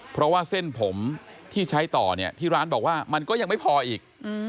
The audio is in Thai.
เพราะว่าเส้นผมที่ใช้ต่อเนี่ยที่ร้านบอกว่ามันก็ยังไม่พออีก